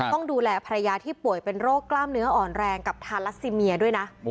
ต้องดูแลภรรยาที่ป่วยเป็นโรคกล้ามเนื้ออ่อนแรงกับทารัสซีเมียด้วยนะ